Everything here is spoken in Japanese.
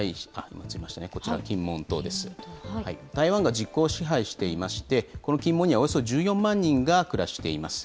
台湾が実効支配していまして、この金門にはおよそ１４万人が暮らしています。